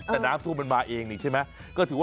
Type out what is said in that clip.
แต่น้ำท่วมมันมาเองนี่ใช่ไหม